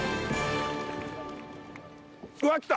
うわっきた！